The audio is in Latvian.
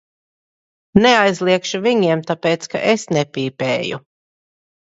Neaizliegšu viņiem, tāpēc ka es nepīpēju.